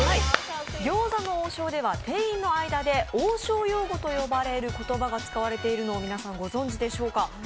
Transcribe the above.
餃子の王将では店員の間で王将用語と呼ばれる言葉が使われてることを皆さん、ご存じでしょうか。